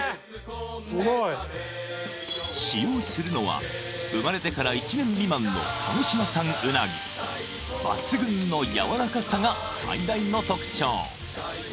すごい使用するのは生まれてから１年未満の鹿児島産うなぎ抜群のやわらかさが最大の特徴